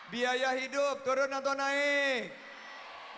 biaya hidup turun atau naik